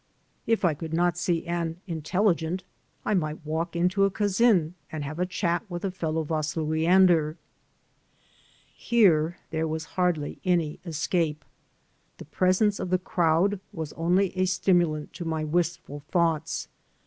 If I could not see an '^ intelligent" I might walk into a Tcadn and have a chat with a f ellow Vasluiander. Here there was hardly any escape. The presence of the crowd was only a stimidant to my wistful thoughts.